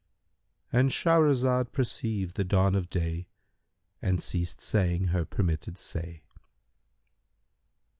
"—And Shahrazad perceived the dawn of day and ceased saying her permitted say.